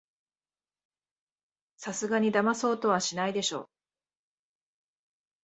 さすがにだまそうとはしないでしょ